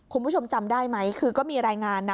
คุณผู้ชมจำได้ไหมคือก็มีรายงานนะ